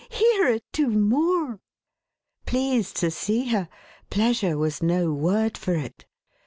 " Here are two more ! n Pleased to see her! Pleasure was no word for it.